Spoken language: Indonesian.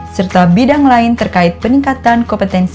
serta bidang lain terkait peningkatan kompetensi